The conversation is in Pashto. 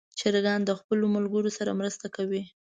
چرګان د خپلو ملګرو سره مرسته کوي.